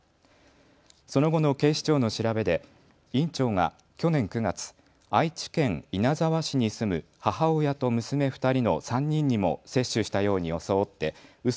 その後の警視庁の調べで院長が去年９月愛知県稲沢市に住む母親と娘２人の３人にも接種したように装ってう